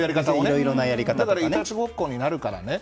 だから、いたちごっこになるから。